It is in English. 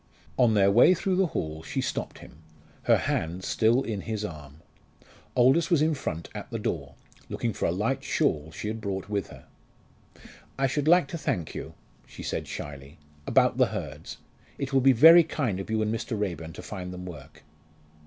On their way through the hall she stopped him, her hand still in his arm. Aldous was in front, at the door, looking for a light shawl she had brought with her. "I should like to thank you," she said shyly, "about the Hurds. It will be very kind of you and Mr. Raeburn to find them work."